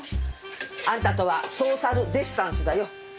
アンタとはソーサルデスタンスだよ。